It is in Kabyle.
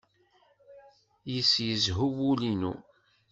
Yis-s yezhu wul-inu.